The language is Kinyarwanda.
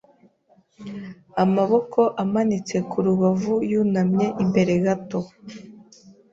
amaboko amanitse ku rubavuYunamye imbere gato